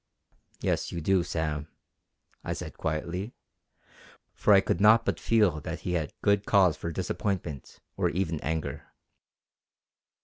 "Yes, you do, Sam!" I said quietly, for I could not but feel that he had good cause for disappointment or even anger.